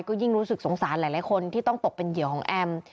ก็ยิ่งรู้สึกสงสารหลายคนที่ต้องตกเป็นเหยื่อของแอม